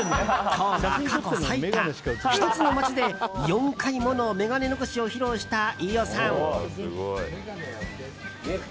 今日は過去最多１つの街で４回ものメガネ残しを披露した飯尾さん。